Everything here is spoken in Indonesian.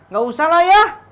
gak usah lah ya